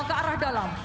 ke arah dalam